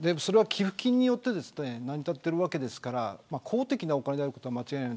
寄付金によって成り立ってるわけですから公的なお金であることは間違いない。